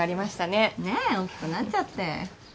ねえ大きくなっちゃって。